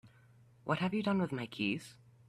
What have you done with my keys?